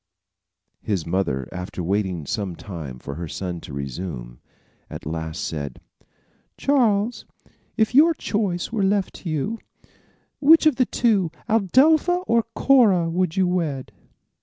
His mother after waiting some time for her son to resume, at last said: "Charles, if your choice were left you, which of the two, Adelpha or Cora, would you wed?"